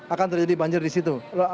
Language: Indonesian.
akan terjadi banjir di situ